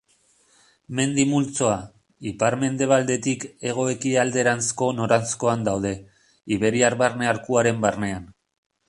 Mendi multzoa, ipar-mendebaldetik hego-ekialderanzko noranzkoan daude, iberiar barne arkuaren barnean.